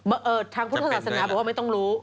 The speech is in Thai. ทางพุทธศาสนาบอกว่าไม่ต้องรู้